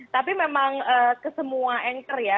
tapi memang ke semua anchor ya